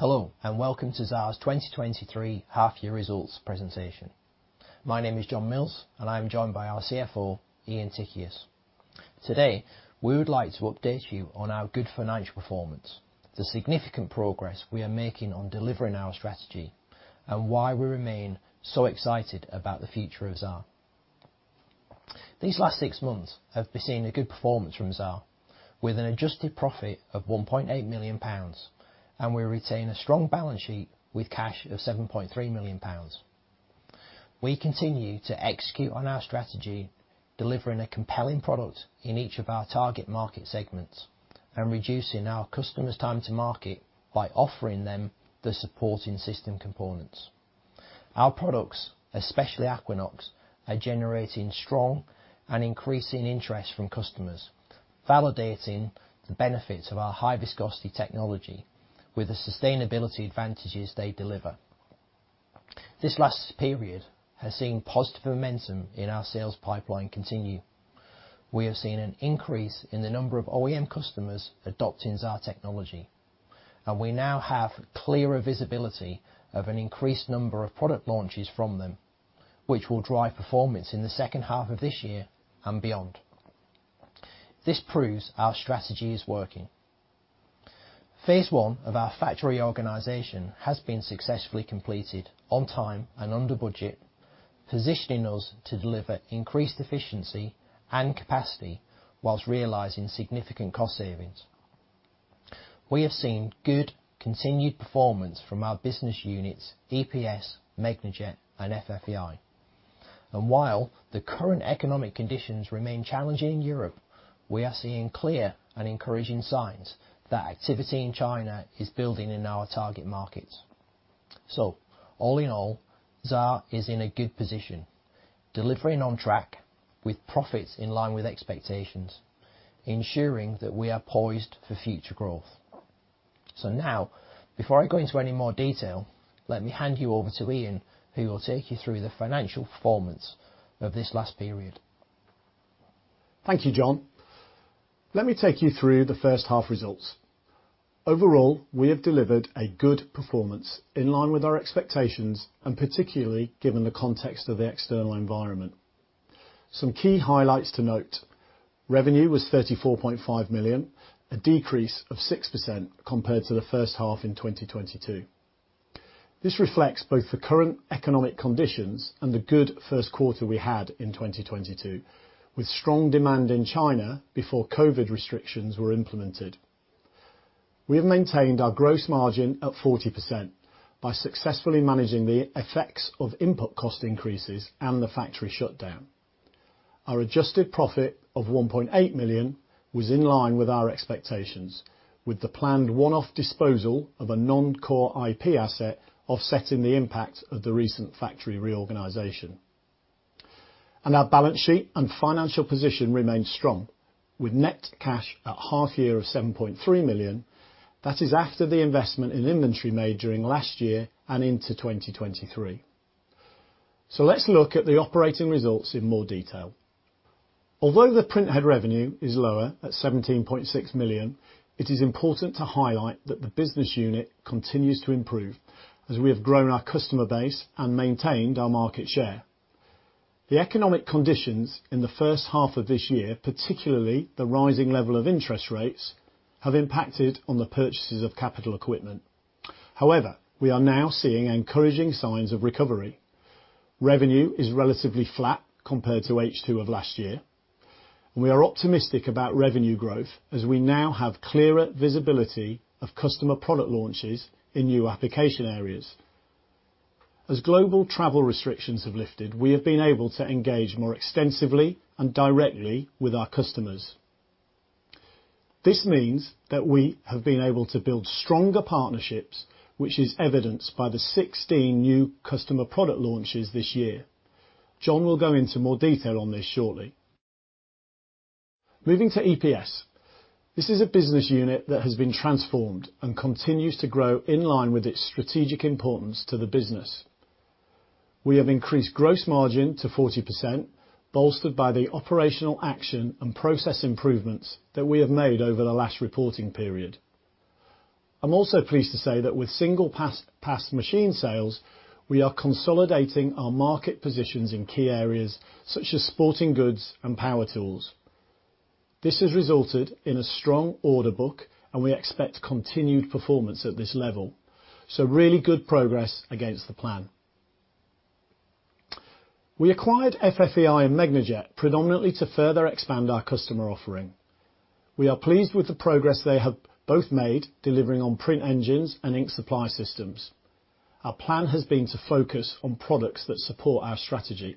Hello, and welcome to Xaar's 2023 half-year results presentation. My name is John Mills, and I'm joined by our CFO, Ian Tichias. Today, we would like to update you on our good financial performance, the significant progress we are making on delivering our strategy, and why we remain so excited about the future of Xaar. These last six months have been seeing a good performance from Xaar, with an adjusted profit of 1.8 million pounds, and we retain a strong balance sheet with cash of 7.3 million pounds. We continue to execute on our strategy, delivering a compelling product in each of our target market segments and reducing our customers' time to market by offering them the supporting system components. Our products, especially Aquinox, are generating strong and increasing interest from customers, validating the benefits of our high-viscosity technology with the sustainability advantages they deliver. This last period has seen positive momentum in our sales pipeline continue. We have seen an increase in the number of OEM customers adopting Xaar technology, and we now have clearer visibility of an increased number of product launches from them, which will drive performance in the second half of this year and beyond. This proves our strategy is working. Phase one of our factory organization has been successfully completed on time and under budget, positioning us to deliver increased efficiency and capacity while realizing significant cost savings. We have seen good continued performance from our business units, EPS, Megnajet, and FFEI. And while the current economic conditions remain challenging in Europe, we are seeing clear and encouraging signs that activity in China is building in our target markets. All in all, Xaar is in a good position, delivering on track with profits in line with expectations, ensuring that we are poised for future growth. Now, before I go into any more detail, let me hand you over to Ian, who will take you through the financial performance of this last period. Thank you, John. Let me take you through the first half results. Overall, we have delivered a good performance in line with our expectations, and particularly given the context of the external environment. Some key highlights to note: Revenue was 34.5 million, a decrease of 6% compared to the first half in 2022. This reflects both the current economic conditions and the good first quarter we had in 2022, with strong demand in China before COVID restrictions were implemented. We have maintained our gross margin at 40% by successfully managing the effects of input cost increases and the factory shutdown. Our adjusted profit of 1.8 million was in line with our expectations, with the planned one-off disposal of a non-core IP asset offsetting the impact of the recent factory reorganization. Our balance sheet and financial position remains strong, with net cash at half year of 7.3 million. That is after the investment in inventory made during last year and into 2023. So let's look at the operating results in more detail. Although the printhead revenue is lower at 17.6 million, it is important to highlight that the business unit continues to improve as we have grown our customer base and maintained our market share. The economic conditions in the first half of this year, particularly the rising level of interest rates, have impacted on the purchases of capital equipment. However, we are now seeing encouraging signs of recovery. Revenue is relatively flat compared to H2 of last year. We are optimistic about revenue growth as we now have clearer visibility of customer product launches in new application areas. As global travel restrictions have lifted, we have been able to engage more extensively and directly with our customers. This means that we have been able to build stronger partnerships, which is evidenced by the 16 new customer product launches this year. John will go into more detail on this shortly. Moving to EPS, this is a business unit that has been transformed and continues to grow in line with its strategic importance to the business. We have increased gross margin to 40%, bolstered by the operational action and process improvements that we have made over the last reporting period. I'm also pleased to say that with single-pass machine sales, we are consolidating our market positions in key areas such as sporting goods and power tools. This has resulted in a strong order book, and we expect continued performance at this level. So really good progress against the plan. We acquired FFEI and Megnajet predominantly to further expand our customer offering. We are pleased with the progress they have both made, delivering on print engines and ink supply systems. Our plan has been to focus on products that support our strategy.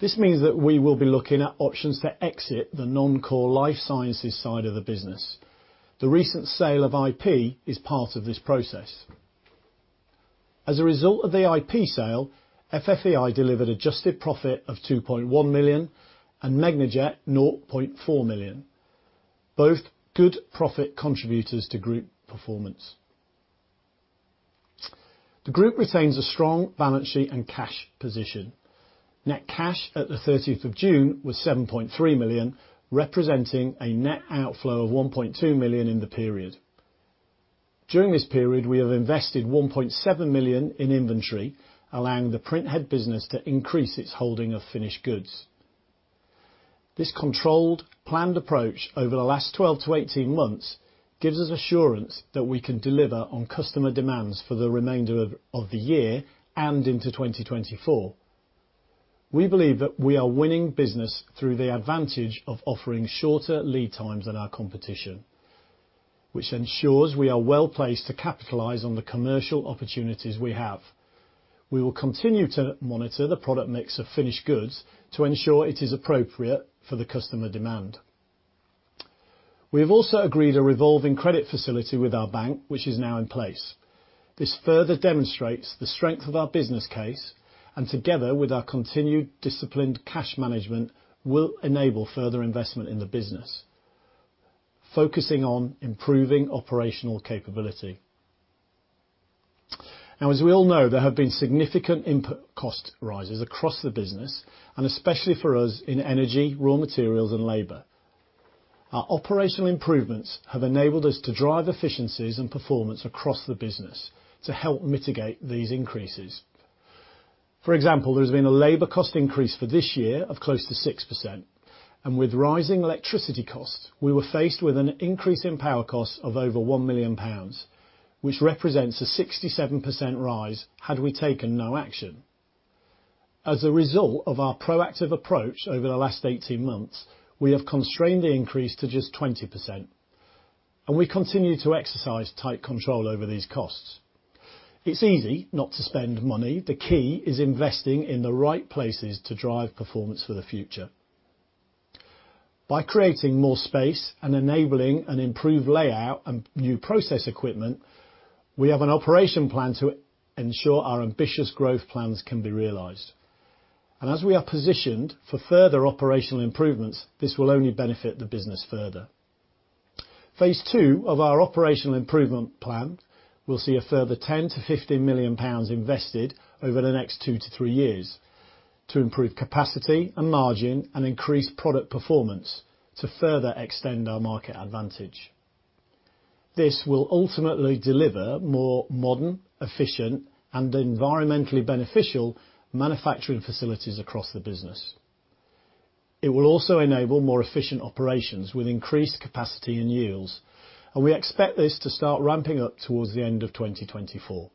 This means that we will be looking at options to exit the non-core life sciences side of the business. The recent sale of IP is part of this process. As a result of the IP sale, FFEI delivered adjusted profit of 2.1 million and Megnajet 0.4 million, both good profit contributors to group performance. The group retains a strong balance sheet and cash position. Net cash at the 13th of June was 7.3 million, representing a net outflow of 1.2 million in the period. During this period, we have invested 1.7 million in inventory, allowing the printhead business to increase its holding of finished goods. This controlled, planned approach over the last 12-18 months gives us assurance that we can deliver on customer demands for the remainder of the year and into 2024. We believe that we are winning business through the advantage of offering shorter lead times than our competition, which ensures we are well-placed to capitalize on the commercial opportunities we have. We will continue to monitor the product mix of finished goods to ensure it is appropriate for the customer demand. We have also agreed a revolving credit facility with our bank, which is now in place. This further demonstrates the strength of our business case, and together with our continued disciplined cash management, will enable further investment in the business, focusing on improving operational capability. Now, as we all know, there have been significant input cost rises across the business, and especially for us in energy, raw materials, and labor. Our operational improvements have enabled us to drive efficiencies and performance across the business to help mitigate these increases. For example, there has been a labor cost increase for this year of close to 6%, and with rising electricity costs, we were faced with an increase in power costs of over 1 million pounds, which represents a 67% rise had we taken no action. As a result of our proactive approach over the last 18 months, we have constrained the increase to just 20%, and we continue to exercise tight control over these costs. It's easy not to spend money. The key is investing in the right places to drive performance for the future. By creating more space and enabling an improved layout and new process equipment, we have an operation plan to ensure our ambitious growth plans can be realized. As we are positioned for further operational improvements, this will only benefit the business further. phase II of our operational improvement plan will see a further 10 million-15 million pounds invested over the next 2-3 years to improve capacity and margin, and increase product performance to further extend our market advantage. This will ultimately deliver more modern, efficient, and environmentally beneficial manufacturing facilities across the business. It will also enable more efficient operations with increased capacity and yields, and we expect this to start ramping up towards the end of 2024.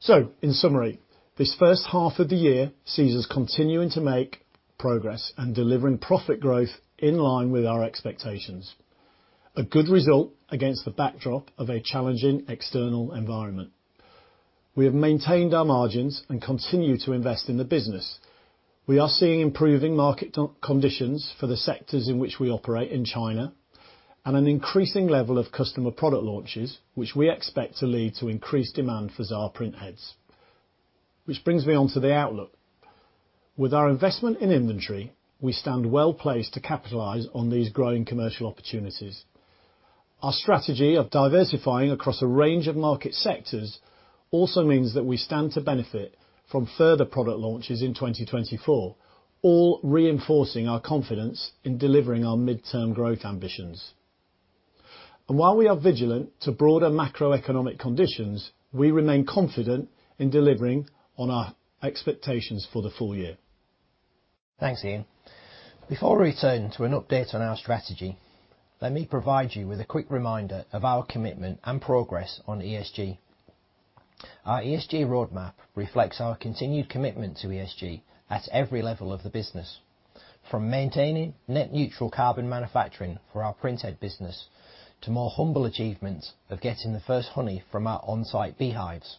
So in summary, this first half of the year sees us continuing to make progress and delivering profit growth in line with our expectations. A good result against the backdrop of a challenging external environment. We have maintained our margins and continue to invest in the business. We are seeing improving market conditions for the sectors in which we operate in China, and an increasing level of customer product launches, which we expect to lead to increased demand for Xaar printheads. Which brings me on to the outlook. With our investment in inventory, we stand well-placed to capitalize on these growing commercial opportunities. Our strategy of diversifying across a range of market sectors also means that we stand to benefit from further product launches in 2024, all reinforcing our confidence in delivering our midterm growth ambitions. While we are vigilant to broader macroeconomic conditions, we remain confident in delivering on our expectations for the full year. Thanks, Ian. Before we turn to an update on our strategy, let me provide you with a quick reminder of our commitment and progress on ESG. Our ESG roadmap reflects our continued commitment to ESG at every level of the business, from maintaining net neutral carbon manufacturing for our printhead business to more humble achievements of getting the first honey from our on-site beehives.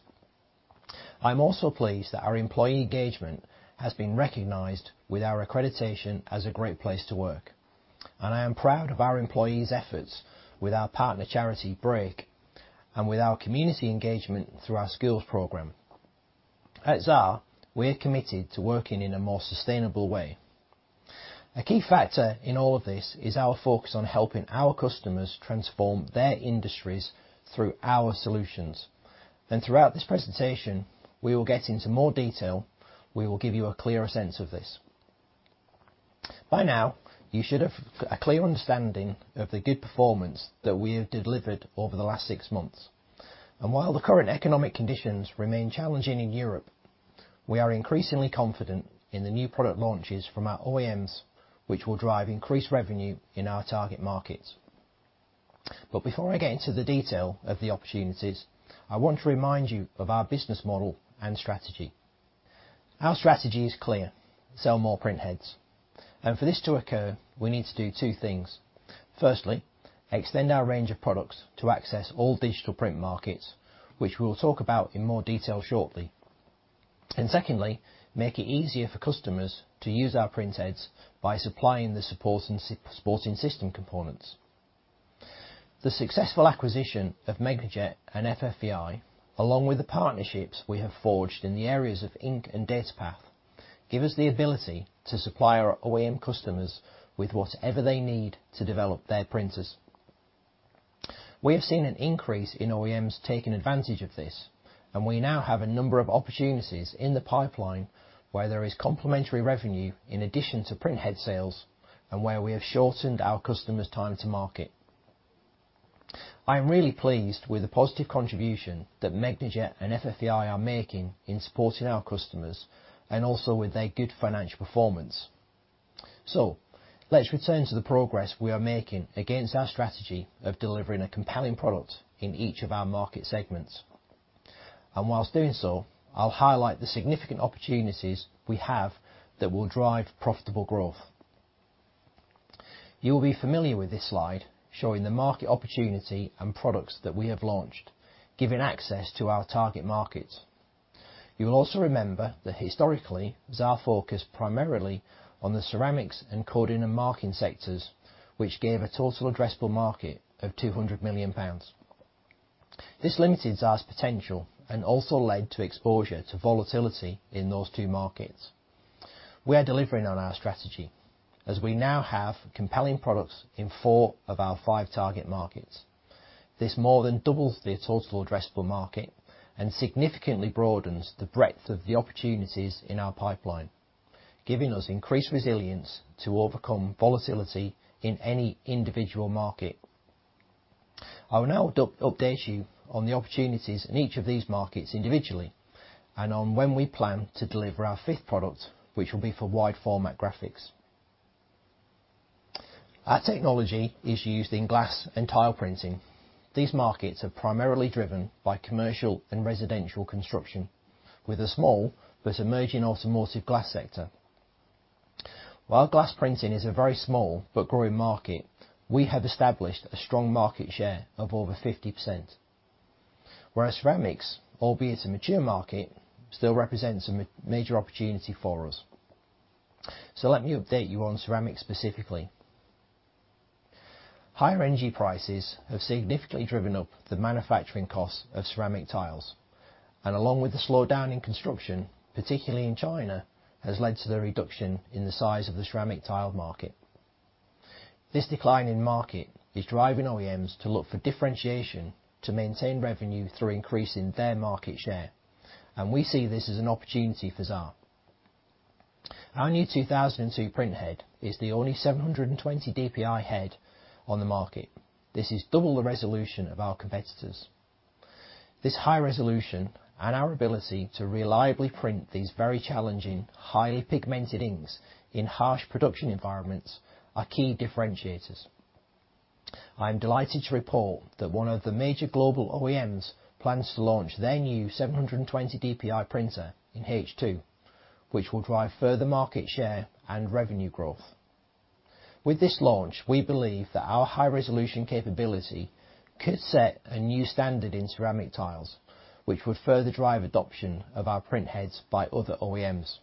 I'm also pleased that our employee engagement has been recognized with our accreditation as a Great Place to Work, and I am proud of our employees' efforts with our partner charity, Break, and with our community engagement through our schools program. At Xaar, we are committed to working in a more sustainable way. A key factor in all of this is our focus on helping our customers transform their industries through our solutions. Throughout this presentation, we will get into more detail. We will give you a clearer sense of this. By now, you should have a clear understanding of the good performance that we have delivered over the last six months. While the current economic conditions remain challenging in Europe, we are increasingly confident in the new product launches from our OEMs, which will drive increased revenue in our target markets. Before I get into the detail of the opportunities, I want to remind you of our business model and strategy. Our strategy is clear: sell more printheads. For this to occur, we need to do two things. Firstly, extend our range of products to access all digital print markets, which we'll talk about in more detail shortly. Secondly, make it easier for customers to use our printheads by supplying the supporting sy- supporting system components. The successful acquisition of Megnajet and FFEI, along with the partnerships we have forged in the areas of ink and datapath, give us the ability to supply our OEM customers with whatever they need to develop their printers. We have seen an increase in OEMs taking advantage of this, and we now have a number of opportunities in the pipeline where there is complementary revenue in addition to printhead sales, and where we have shortened our customers' time to market. I am really pleased with the positive contribution that Megnajet and FFEI are making in supporting our customers, and also with their good financial performance. So let's return to the progress we are making against our strategy of delivering a compelling product in each of our market segments. And whilst doing so, I'll highlight the significant opportunities we have that will drive profitable growth. You will be familiar with this slide, showing the market opportunity and products that we have launched, giving access to our target markets. You will also remember that historically, Xaar focused primarily on the ceramics and coding and marking sectors, which gave a total addressable market of 200 million pounds. This limited Xaar's potential and also led to exposure to volatility in those two markets. We are delivering on our strategy, as we now have compelling products in four of our five target markets. This more than doubles the total addressable market and significantly broadens the breadth of the opportunities in our pipeline, giving us increased resilience to overcome volatility in any individual market. I will now update you on the opportunities in each of these markets individually, and on when we plan to deliver our fifth product, which will be for wide-format graphics. Our technology is used in glass and tile printing. These markets are primarily driven by commercial and residential construction, with a small but emerging automotive glass sector. While glass printing is a very small but growing market, we have established a strong market share of over 50%, whereas ceramics, albeit a mature market, still represents a major opportunity for us. So let me update you on ceramics specifically. Higher energy prices have significantly driven up the manufacturing costs of ceramic tiles, and along with the slowdown in construction, particularly in China, has led to the reduction in the size of the ceramic tile market. This decline in market is driving OEMs to look for differentiation to maintain revenue through increasing their market share, and we see this as an opportunity for Xaar. Our new 2002 printhead is the only 720 DPI head on the market. This is double the resolution of our competitors. This high resolution and our ability to reliably print these very challenging, highly pigmented inks in harsh production environments are key differentiators. I am delighted to report that one of the major global OEMs plans to launch their new 720 dpi printer in H2, which will drive further market share and revenue growth. With this launch, we believe that our high-resolution capability could set a new standard in ceramic tiles, which would further drive adoption of our printheads by other OEMs.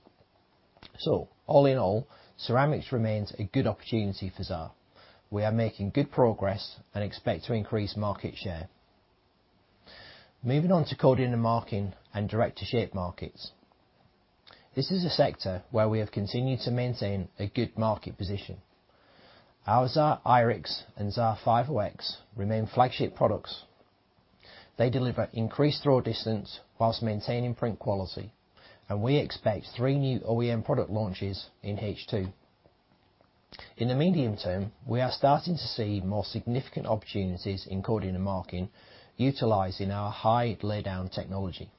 So all in all, ceramics remains a good opportunity for Xaar. We are making good progress and expect to increase market share. Moving on to coding and marking and direct-to-shape markets. This is a sector where we have continued to maintain a good market position. Our Xaar Irix and Xaar 501 remain flagship products. They deliver increased throw distance while maintaining print quality, and we expect three new OEM product launches in H2. In the medium term, we are starting to see more significant opportunities in coding and marking, utilizing our High Laydown Technology.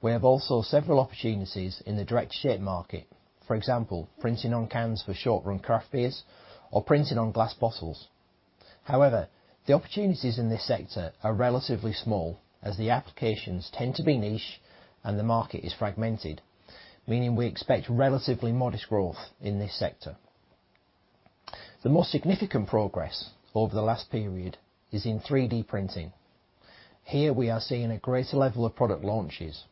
We have also several opportunities in the direct-to-shape market, for example, printing on cans for short-run craft beers or printing on glass bottles. However, the opportunities in this sector are relatively small, as the applications tend to be niche and the market is fragmented, meaning we expect relatively modest growth in this sector. The most significant progress over the last period is in 3D printing. Here, we are seeing a greater level of product launches,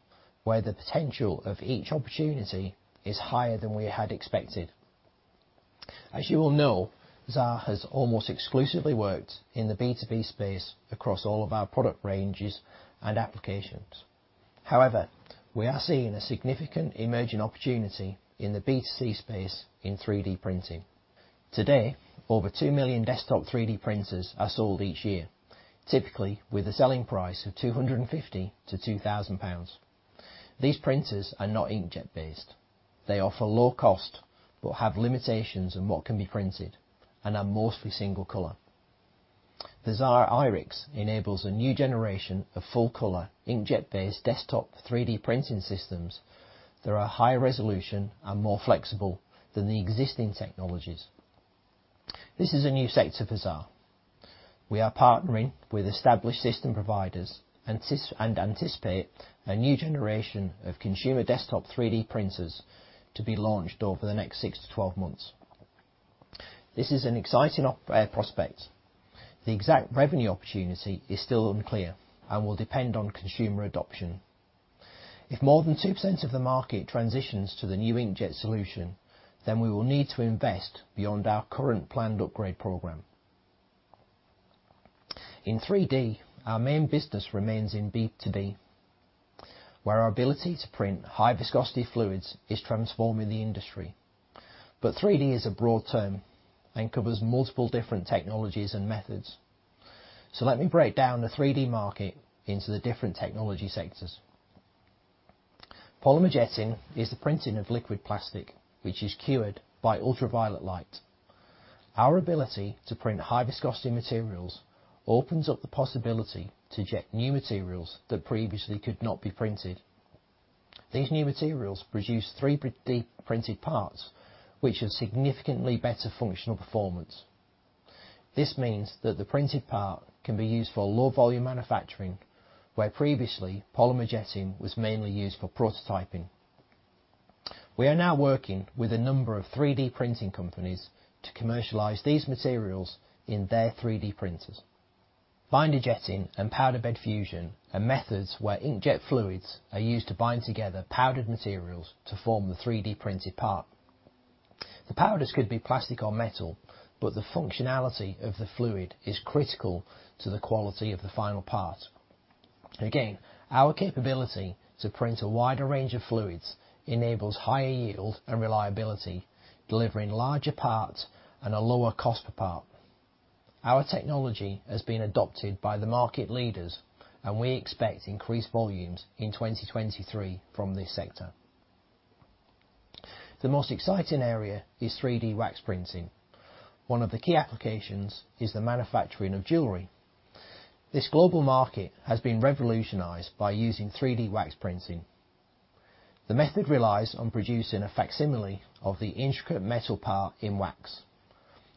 where the potential of each opportunity is higher than we had expected. As you all know, Xaar has almost exclusively worked in the B2B space across all of our product ranges and applications. However, we are seeing a significant emerging opportunity in the B2C space in 3D printing. Today, over 2 million desktop 3D printers are sold each year, typically with a selling price of 250-2,000 pounds. These printers are not inkjet-based. They offer low cost but have limitations on what can be printed and are mostly single color. The Xaar Irix enables a new generation of full-color, inkjet-based desktop 3D printing systems that are high resolution and more flexible than the existing technologies. This is a new sector for Xaar. We are partnering with established system providers and anticipate a new generation of consumer desktop 3D printers to be launched over the next six-12 months. This is an exciting prospect. The exact revenue opportunity is still unclear and will depend on consumer adoption. If more than 2% of the market transitions to the new inkjet solution, then we will need to invest beyond our current planned upgrade program. In 3D, our main business remains in B2B, where our ability to print high-viscosity fluids is transforming the industry. But 3D is a broad term and covers multiple different technologies and methods, so let me break down the 3D market into the different technology sectors. Polymer jetting is the printing of liquid plastic, which is cured by ultraviolet light. Our ability to print high-viscosity materials opens up the possibility to jet new materials that previously could not be printed. These new materials produce three 3D-printed parts, which have significantly better functional performance. This means that the printed part can be used for low-volume manufacturing, where previously, polymer jetting was mainly used for prototyping. We are now working with a number of 3D printing companies to commercialize these materials in their 3D printers. Binder jetting and powder bed fusion are methods where inkjet fluids are used to bind together powdered materials to form the 3D-printed part. The powders could be plastic or metal, but the functionality of the fluid is critical to the quality of the final part. Again, our capability to print a wider range of fluids enables higher yield and reliability, delivering larger parts at a lower cost per part. Our technology has been adopted by the market leaders, and we expect increased volumes in 2023 from this sector. The most exciting area is 3D wax printing. One of the key applications is the manufacturing of jewelry. This global market has been revolutionized by using 3D wax printing. The method relies on producing a facsimile of the intricate metal part in wax.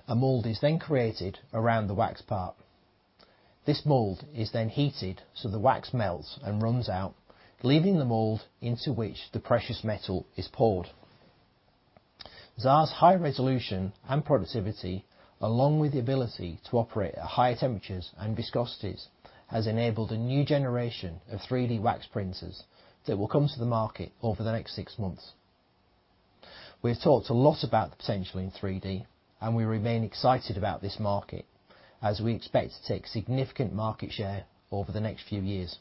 A mold is then created around the wax part. This mold is then heated, so the wax melts and runs out, leaving the mold into which the precious metal is poured. Xaar's high resolution and productivity, along with the ability to operate at higher temperatures and viscosities, has enabled a new generation of 3D wax printers that will come to the market over the next six months. We've talked a lot about the potential in 3D, and we remain excited about this market, as we expect to take significant market share over the next few years.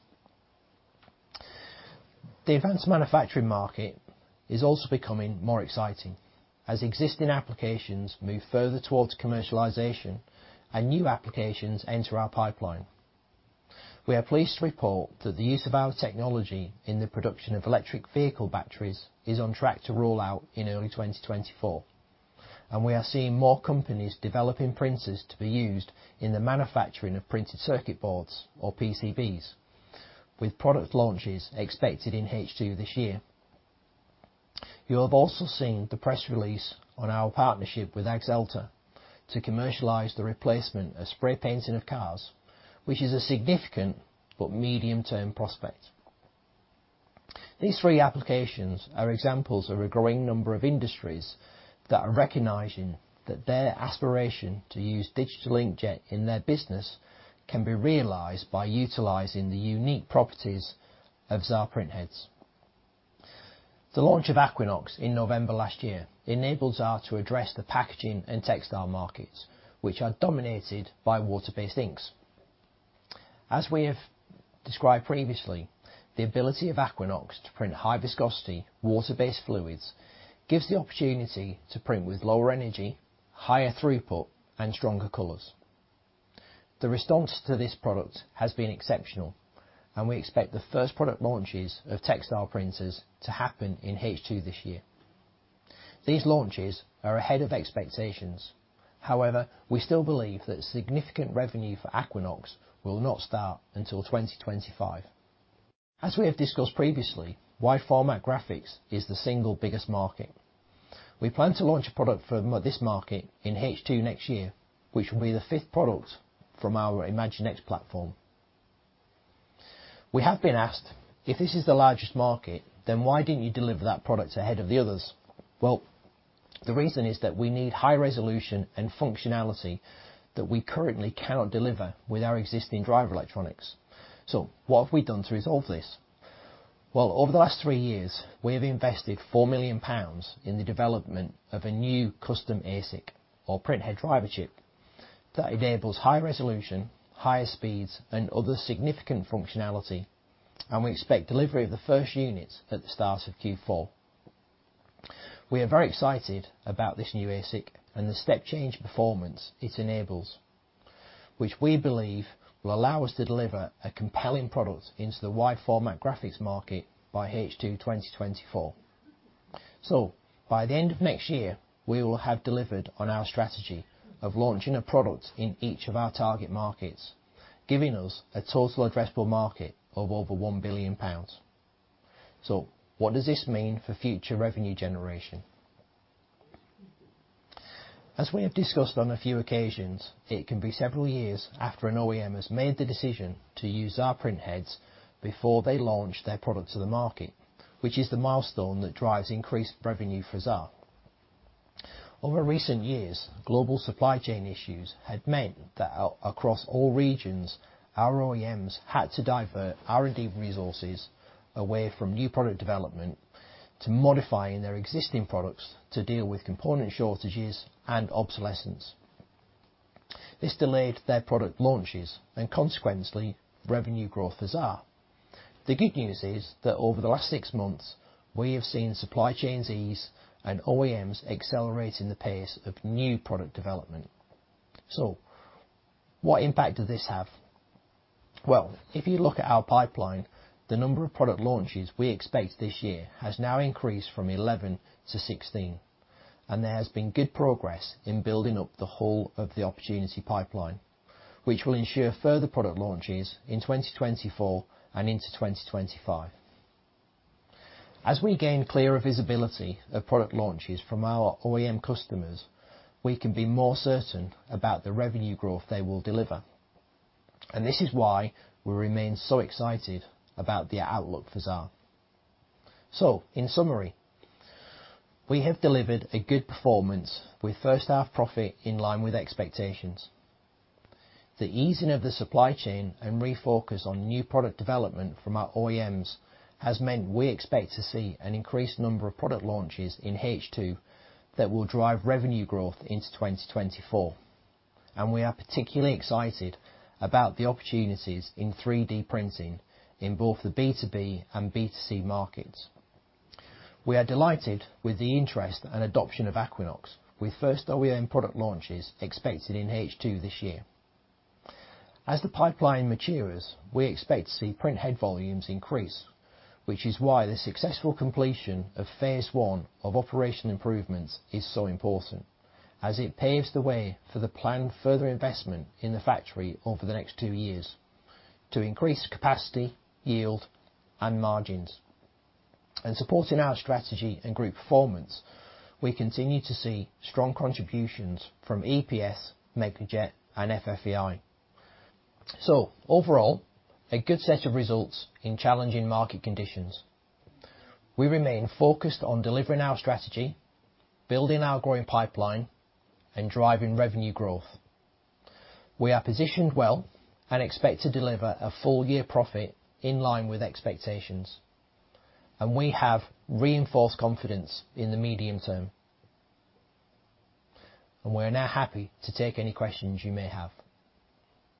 The advanced manufacturing market is also becoming more exciting, as existing applications move further towards commercialization and new applications enter our pipeline. We are pleased to report that the use of our technology in the production of electric vehicle batteries is on track to roll out in early 2024, and we are seeing more companies developing printers to be used in the manufacturing of printed circuit boards or PCBs, with product launches expected in H2 this year. You have also seen the press release on our partnership with Axalta to commercialize the replacement of spray painting of cars, which is a significant but medium-term prospect. These three applications are examples of a growing number of industries that are recognizing that their aspiration to use digital inkjet in their business can be realized by utilizing the unique properties of Xaar printheads. The launch of Aquinox in November last year enables Xaar to address the packaging and textile markets, which are dominated by water-based inks. As we have described previously, the ability of Aquinox to print high-viscosity, water-based fluids gives the opportunity to print with lower energy, higher throughput, and stronger colors. The response to this product has been exceptional, and we expect the first product launches of textile printers to happen in H2 this year. These launches are ahead of expectations. However, we still believe that significant revenue for Aquinox will not start until 2025. As we have discussed previously, wide-format graphics is the single biggest market. We plan to launch a product for this market in H2 next year, which will be the fifth product from our ImagineX platform. We have been asked, "If this is the largest market, then why didn't you deliver that product ahead of the others?" Well, the reason is that we need high resolution and functionality that we currently cannot deliver with our existing driver electronics. So what have we done to resolve this? Well, over the last three years, we have invested 4 million pounds in the development of a new custom ASIC or printhead driver chip that enables high resolution, higher speeds, and other significant functionality, and we expect delivery of the first units at the start of Q4. We are very excited about this new ASIC and the step-change performance it enables, which we believe will allow us to deliver a compelling product into the wide-format graphics market by H2 2024. So by the end of next year, we will have delivered on our strategy of launching a product in each of our target markets, giving us a total addressable market of over 1 billion pounds. So what does this mean for future revenue generation? As we have discussed on a few occasions, it can be several years after an OEM has made the decision to use Xaar printheads before they launch their product to the market, which is the milestone that drives increased revenue for Xaar. Over recent years, global supply chain issues have meant that across all regions, our OEMs had to divert R&D resources away from new product development to modifying their existing products to deal with component shortages and obsolescence. This delayed their product launches and consequently, revenue growth for Xaar. The good news is that over the last six months, we have seen supply chains ease and OEMs accelerating the pace of new product development. So what impact does this have? Well, if you look at our pipeline, the number of product launches we expect this year has now increased from 11 to 16, and there has been good progress in building up the whole of the opportunity pipeline, which will ensure further product launches in 2024 and into 2025. As we gain clearer visibility of product launches from our OEM customers, we can be more certain about the revenue growth they will deliver, and this is why we remain so excited about the outlook for Xaar. So in summary, we have delivered a good performance with first half profit in line with expectations. The easing of the supply chain and refocus on new product development from our OEMs has meant we expect to see an increased number of product launches in H2 that will drive revenue growth into 2024. We are particularly excited about the opportunities in 3D printing in both the B2B and B2C markets. We are delighted with the interest and adoption of Aquinox, with first OEM product launches expected in H2 this year. As the pipeline matures, we expect to see printhead volumes increase, which is why the successful completion of phase one of operation improvements is so important, as it paves the way for the planned further investment in the factory over the next two years to increase capacity, yield, and margins. Supporting our strategy and group performance, we continue to see strong contributions from EPS, Megnajet, and FFEI. Overall, a good set of results in challenging market conditions. We remain focused on delivering our strategy, building our growing pipeline, and driving revenue growth. We are positioned well and expect to deliver a full year profit in line with expectations, and we have reinforced confidence in the medium term. We're now happy to take any questions you may have.